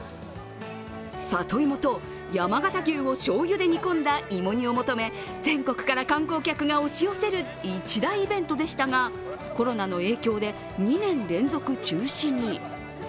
里芋と山形牛をしょうゆで煮込んだ芋煮を求め、全国から観光客が押し寄せる一大イベントでしたがコロナの影響で２年連続中止に。